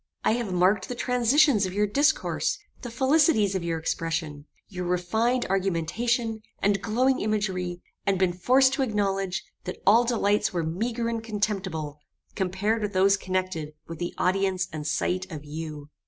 I have marked the transitions of your discourse, the felicities of your expression, your refined argumentation, and glowing imagery; and been forced to acknowledge, that all delights were meagre and contemptible, compared with those connected with the audience and sight of you.